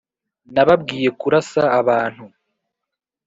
Nababwiye kurasa abantu.